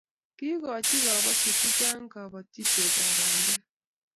Kikouchi kobotik chechang kobotisietab bandek